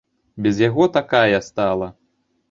Без яго такая стала!